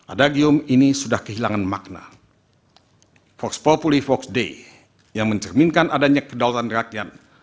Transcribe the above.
ada gium ini sudah kehilangan makna fox populi fox day yang mencerminkan adanya kedalaman rakyat